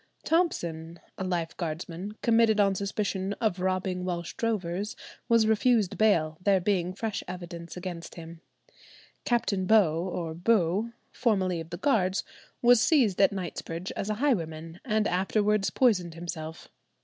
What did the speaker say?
Thompson, a lifeguardsman, committed on suspicion of robbing Welsh drovers, was refused bail, there being fresh evidence against him. Captain Beau, or Bew, formerly of the Guards, was seized at Knightsbridge as a highwayman, and afterwards poisoned himself.